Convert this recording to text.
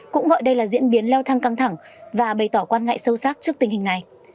cũng gọi đây là diễn biến leo thăng căng thẳng và bày tỏ quan ngại sâu sắc trước tình hình này